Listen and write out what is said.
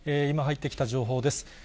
今、入ってきた情報です。